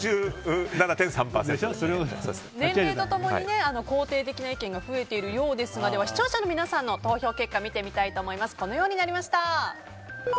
年齢とともに肯定的な意見が増えているようですが視聴者の皆さんの投票結果はこのようになりました。